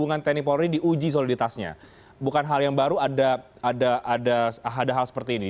ada hal seperti ini